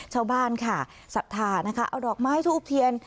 ชาวบ้านค่ะศรัทธานะคะเอาดอกไม้ทูบเทียน